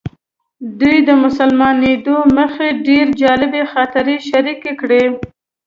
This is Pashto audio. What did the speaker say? دوی د مسلمانېدو مخکې ډېرې جالبې خاطرې شریکې کړې.